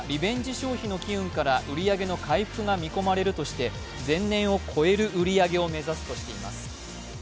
消費の機運から売り上げの回復が見込まれるとして前年を超える売り上げを目指すとしています。